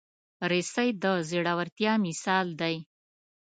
رسۍ د زړورتیا مثال دی.